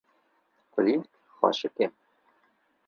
Kulîlk xweşik e